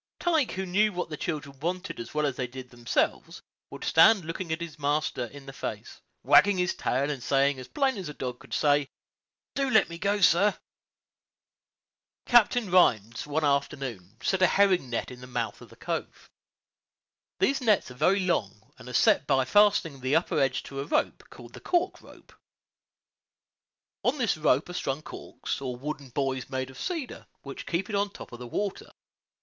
Tige, who knew what the children wanted as well as they did themselves, would stand looking his master in the face, wagging his tail, and saying, as plain as a dog could say, "Do let me go, sir." Captain Rhines, one afternoon, set a herring net in the mouth of the cove. These nets are very long, and are set by fastening the upper edge to a rope, called the cork rope. On this rope are strung corks, or wooden buoys made of cedar, which keep it on top of the water.